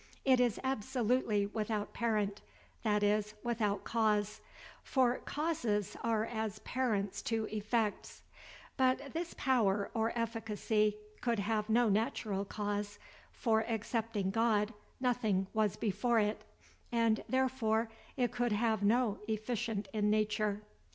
It is absolutely without parent, that is, without cause; for causes are as parents to effects; but this power or efficacy could have no natural cause; for, excepting God, nothing was before it; and therefore it could have no efficient in nature.